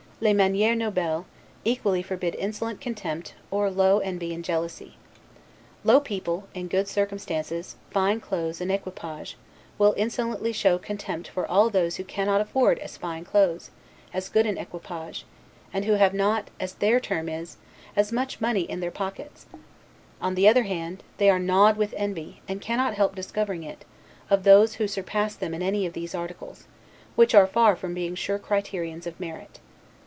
'Les manieres nobles' equally forbid insolent contempt, or low envy and jealousy. Low people, in good circumstances, fine clothes, and equipages, will insolently show contempt for all those who cannot afford as fine clothes, as good an equipage, and who have not (as their term is) as much money in their pockets: on the other hand, they are gnawed with envy, and cannot help discovering it, of those who surpass them in any of these articles; which are far from being sure criterions of merit.